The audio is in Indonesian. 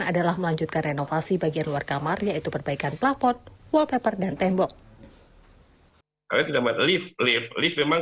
adalah melanjutkan renovasi bagian luar kamar yaitu perbaikan plafon wallpaper dan tembok